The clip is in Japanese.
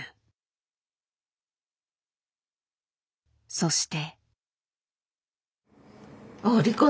そして。